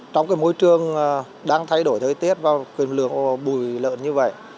trong cái môi trường đang thay đổi thời tiết vào quyền lượng bùi lợn như vậy